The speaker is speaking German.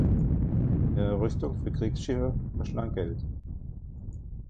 Ihre Rüstung für Kriegsschiffe verschlang Geld.